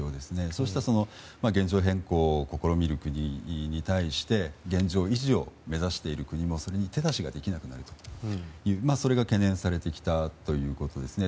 そうした現状変更を試みる国に対して現状維持を目指している国もそれに手出しができなくなるというそれが懸念されてきたということですね。